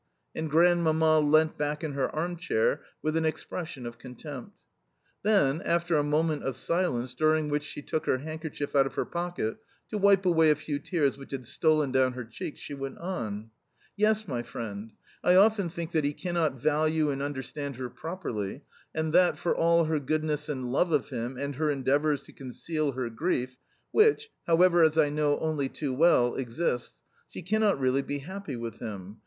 and Grandmamma leant back in her arm chair with an expression of contempt. Then, after a moment of silence, during which she took her handkerchief out of her pocket to wipe away a few tears which had stolen down her cheeks, she went, on: "Yes, my friend, I often think that he cannot value and understand her properly, and that, for all her goodness and love of him and her endeavours to conceal her grief (which, however as I know only too well, exists). She cannot really be happy with him.